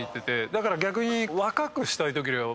だから逆に。